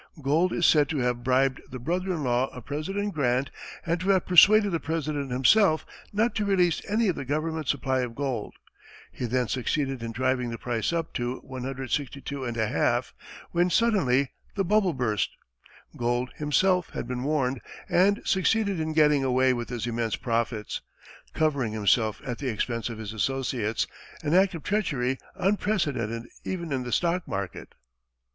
Gould is said to have bribed the brother in law of President Grant and to have persuaded the President himself not to release any of the government supply of gold. He then succeeded in driving the price up to 162½, when suddenly the bubble burst. Gould, himself, had been warned and succeeded in getting away with his immense profits, covering himself at the expense of his associates, an act of treachery unprecedented even in the stock market.